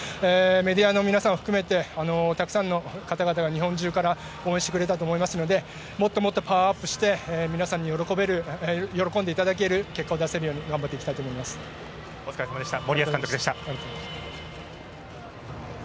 メディアの皆さん含めてたくさんの方々が日本中から応援してくれたと思いますのでもっともっとパワーアップして皆さんに喜んでいただける結果を出せるようお疲れさまでした。